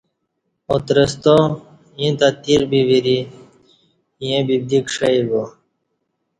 اترستا ییں تہ تیر بی وری ییں ببدی کݜی با